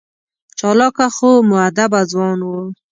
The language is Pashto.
چالاکه خو مودبه ځوان و.